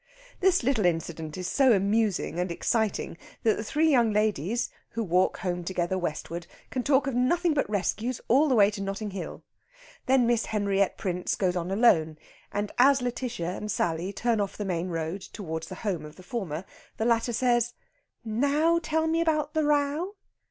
This little incident is so amusing and exciting that the three young ladies, who walk home together westward, can talk of nothing but rescues all the way to Notting Hill. Then Miss Henriette Prince goes on alone, and as Lætitia and Sally turn off the main road towards the home of the former, the latter says: "Now tell me about the row."